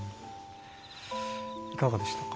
いかがでしたか？